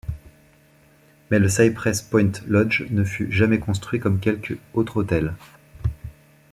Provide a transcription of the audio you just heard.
Mais le Cypress Point Lodge ne fut jamais construit comme quelques autres hôtels.